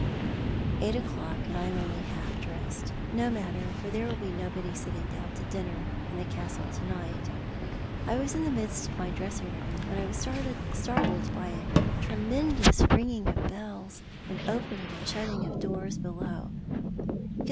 Eight o'clock, and I am only half dressed. No matter, for there will be nobody sitting down to dinner in the Castle to night. I was in the midst of my dressing when I was startled by a tremendous ringing of bells and opening and shutting of doors below.